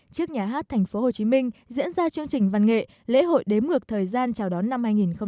trước nhà hát thành phố hồ chí minh diễn ra chương trình văn nghệ lễ hội đếm ngược thời gian chào đón năm hai nghìn một mươi bảy